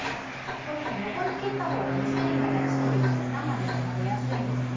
このように横に切った方が繊維が断ち切れて生でも食べやすいんですね。